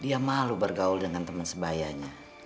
dia malu bergaul dengan teman sebayanya